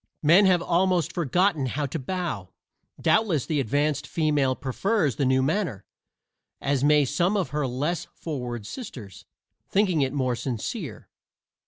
Men have almost forgotten how to bow. Doubtless the advanced female prefers the new manner, as may some of her less forward sisters, thinking it more sincere.